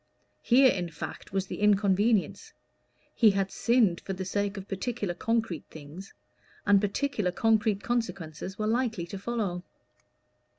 Here, in fact, was the inconvenience: he had sinned for the sake of particular concrete things, and particular concrete consequences were likely to follow.